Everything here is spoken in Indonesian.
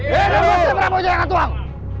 hidup gusti prabu jaya katuang